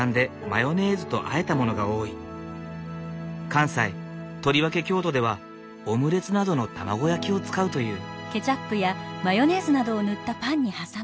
関西とりわけ京都ではオムレツなどの卵焼きを使うという。